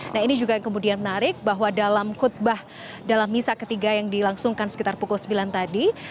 nah ini juga yang kemudian menarik bahwa dalam khutbah dalam misa ketiga yang dilangsungkan sekitar pukul sembilan tadi